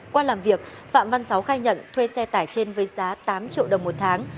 qua làm việc phạm văn sáu khai nhận thuê xe tải trên với giá tám triệu đồng một tháng